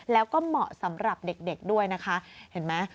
แล้วก็เหมาะสำหรับเด็กด้วยนะคะเห็นไหม